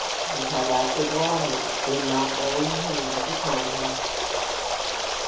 Ye have acted wrongly in not laying hands upon him."